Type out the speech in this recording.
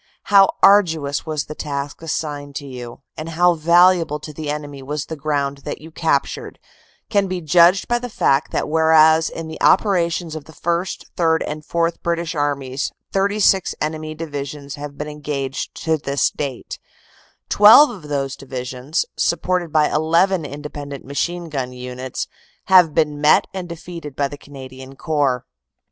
"How arduous was the task assigned to you, and how valu able to the enemy was the ground that you captured, can be judged by the fact that whereas in the operations of the First, Third and Fourth British Armies 36 enemy divisions have been engaged to this date, 12 of those divisions, supported by 1 1 independent machine gun units, have been met and defeated by the Canadian Corps.